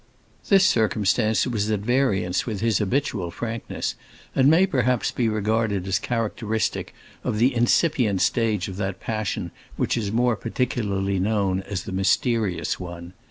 This circumstance was at variance with his habitual frankness, and may perhaps be regarded as characteristic of the incipient stage of that passion which is more particularly known as the mysterious one.